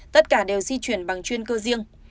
tất cả đều di chuyển bằng chuyên cơ riêng